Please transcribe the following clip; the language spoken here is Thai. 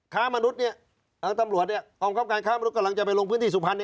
ทั้งตำรวจการค้ามนุษย์กำลังจะไปลงพื้นที่สุพรรณ